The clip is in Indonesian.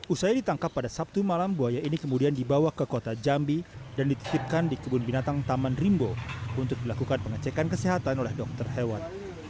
usai ditangkap pada sabtu malam buaya ini kemudian dibawa ke kota jambi dan dititipkan di kebun binatang taman rimbo untuk dilakukan pengecekan kesehatan oleh dokter hewan